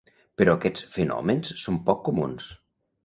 Però aquests fenòmens són poc comuns.